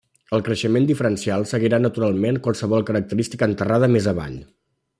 El creixement diferencial seguirà naturalment qualsevol característica enterrada més avall.